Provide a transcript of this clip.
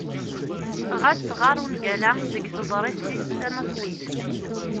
Ɣas ɣeṛ ungal-a deg teḍrist-is tanaṣlit.